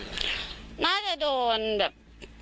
น่าจะโดนแบบ